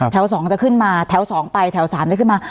แถวสองจะขึ้นมาแถวสองไปแถวสามจะขึ้นมา